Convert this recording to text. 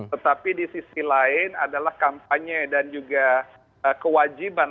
tetapi di sisi lain adalah kampanye dan juga kewajiban